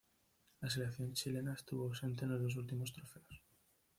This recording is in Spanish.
La selección chilena estuvo ausente en los dos últimos trofeos.